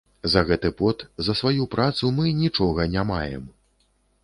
За гэты пот, за сваю працу мы нічога не маем.